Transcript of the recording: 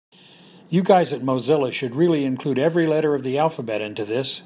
You guys at Mozilla should really include every letter of the alphabet into this.